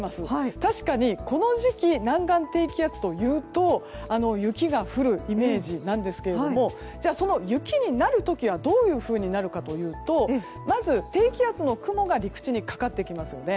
ただこの時期南岸低気圧というと雪が降るイメージなんですが雪になる時はどういうふうになるかというとまず低気圧の雲が陸地にかかってきますよね。